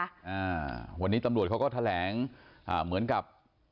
อ่าวันนี้ตำรวจเขาก็แถลงอ่าเหมือนกับ